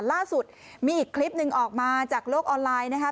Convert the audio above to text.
ล่าสุดมีอีกคลิปหนึ่งออกมาจากโลกออนไลน์นะคะ